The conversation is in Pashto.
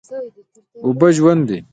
اوبه ژوند دی؟